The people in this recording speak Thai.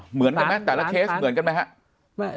เหมือนกันไหมแต่ละเคสเหมือนกันไหมครับ